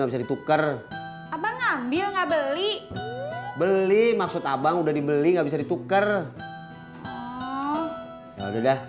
bisa dituker abang ambil nggak beli beli maksud abang udah dibeli nggak bisa dituker udah udah